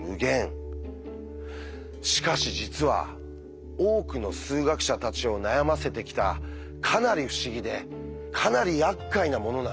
しかし実は多くの数学者たちを悩ませてきたかなり不思議でかなりやっかいなものなんです。